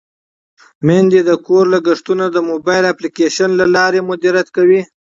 میندې د کور لګښتونه د موبایل اپلیکیشن له لارې مدیریت کوي.